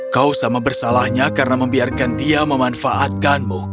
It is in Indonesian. kau sama bersalahnya karena membiarkan dia memanfaatkanmu